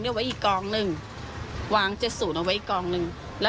ไว้อีกกองหนึ่งวางเจ็ดศูนย์เอาไว้อีกกองหนึ่งแล้ว